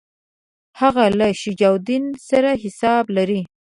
هغه له شجاع الدوله سره حساب لري.